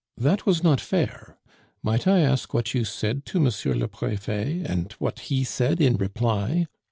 That was not fair. Might I ask what you said to M. le Prefet, and what he said in reply?"